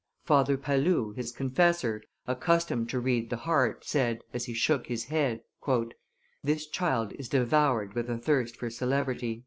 Father Pallou, his confessor, accustomed to read the heart, said, as he shook his head, "This, child is devoured with a thirst for celebrity."